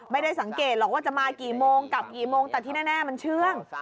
ไม่ได้สังเกตหรอกว่าจะมากี่โมงกลับกี่โมงแต่ที่แน่มันเชื่อง